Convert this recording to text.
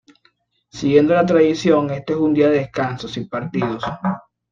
Siguiendo la tradición, este es un día de descanso, sin partidos.